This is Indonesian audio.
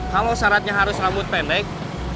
kalau syaratnya harus rambut pendek